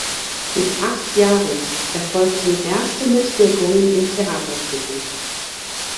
Mit acht Jahren erfolgten erste Mitwirkungen in Theaterstücken.